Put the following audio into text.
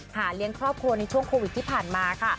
เลี้ยงครอบครัวในช่วงโควิดที่ผ่านมาค่ะ